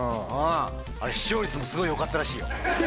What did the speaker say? あれ視聴率もすごいよかったらしいよ。